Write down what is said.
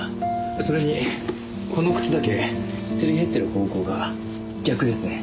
それにこの靴だけすり減ってる方向が逆ですね。